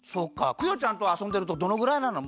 クヨちゃんとあそんでるとどのぐらいなの？